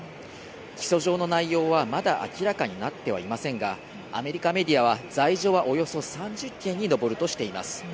起訴状の内容は、まだ明らかになってはいませんがアメリカメディアは罪状はおよそ３０件に上るとしています。